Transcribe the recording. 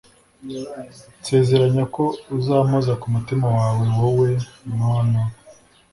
nsezeranya ko uzampoza ku mutima wawe wowe, no no